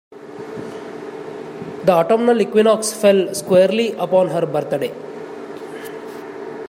The autumnal equinox fell squarely upon her birthday.